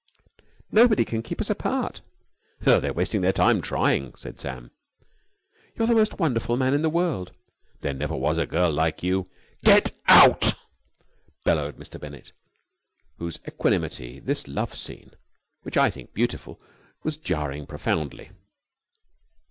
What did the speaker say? "Nobody can keep us apart." "They're wasting their time, trying," said Sam. "You're the most wonderful man in the world." "There never was a girl like you!" "Get out!" bellowed Mr. Bennett, on whose equanimity this love scene, which I think beautiful, was jarring profoundly.